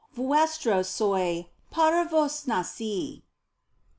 Vuestro soy, para Vos nací.